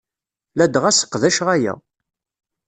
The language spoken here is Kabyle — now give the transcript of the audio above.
Ladɣa sseqdaceɣ aya.